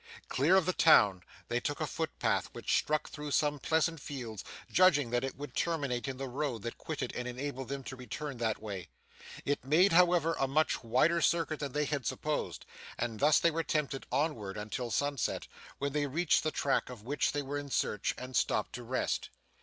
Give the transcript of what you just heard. Clear of the town, they took a footpath which struck through some pleasant fields, judging that it would terminate in the road they quitted and enable them to return that way. It made, however, a much wider circuit than they had supposed, and thus they were tempted onward until sunset, when they reached the track of which they were in search, and stopped to rest.